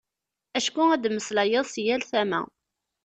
Acku ad d-temmeslayeḍ seg yal tama.